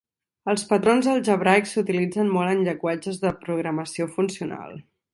Els patrons algebraics s'utilitzen molt en llenguatges de programació funcional.